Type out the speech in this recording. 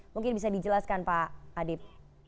mungkin bisa dijelaskan pak adip